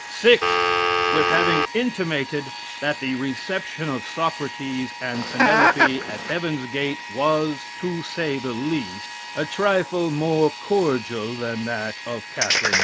Sixth. With having intimated that the reception of Socrates and Penelope at heaven's gate was, to say the least, a trifle more cordial than that of Catherine II.